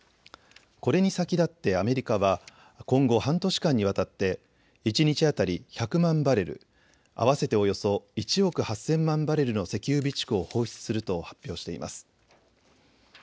これに先立ってアメリカは今後、半年間にわたって一日当たり１００万バレル、合わせておよそ１億８０００万バレルの石油備蓄を放出すると発表しています。